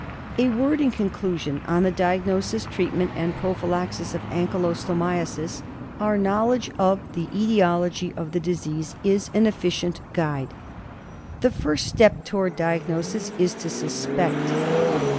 A word in conclusion on the diagnosis, treatment, and prophylaxis of Ankylostomiasis. Our knowledge of the etiology of the disease is an efficient guide. The first step towards diagnosis is to suspect.